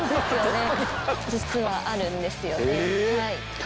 実はあるんですよね。